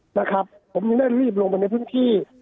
ผมยังได้รีบลงไปในพรุ่งที่